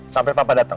sampai papa dateng